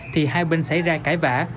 thì hai bên xảy ra cãi vả